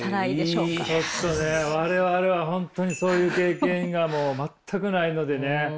ちょっとね我々は本当にそういう経験がもう全くないのでね。